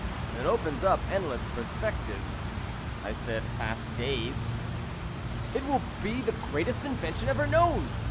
'"] "It opens up endless perspectives," I said, half dazed. "It will be the greatest invention ever known!"